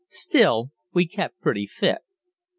Still we kept pretty fit.